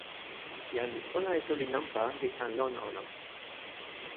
jan li sona e suli nanpa li tan lon ona.